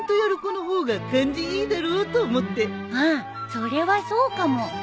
それはそうかも。